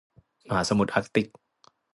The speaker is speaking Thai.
มหาสมุทรอาร์กติก